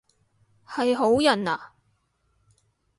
係好人啊？